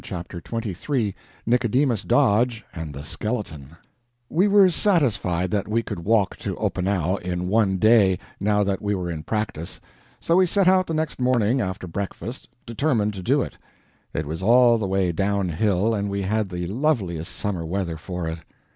CHAPTER XXIII [Nicodemus Dodge and the Skeleton] We were satisfied that we could walk to Oppenau in one day, now that we were in practice; so we set out the next morning after breakfast determined to do it. It was all the way downhill, and we had the loveliest summer weather for it.